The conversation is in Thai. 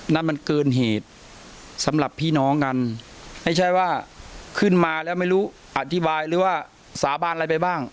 นั่นมันเกินเหตุสำหรับพี่น้องกันไม่ใช่ว่าขึ้นมาแล้วไม่รู้อธิบายหรือว่าสาบานอะไรไปบ้าง